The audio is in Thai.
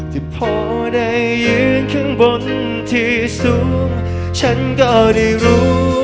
ที่พอได้ยืนข้างบนที่สูงฉันก็ได้รู้